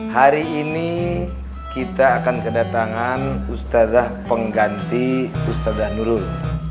hari ini kita akan kedatangan ustazah pengganti ustazah nurul